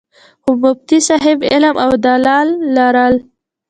خو مفتي صېب علم او دلائل لرل